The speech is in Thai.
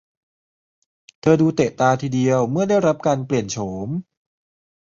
เธอดูเตะตาทีเดียวเมื่อได้รับการเปลี่ยนโฉม